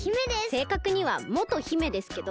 せいかくにはもと姫ですけど。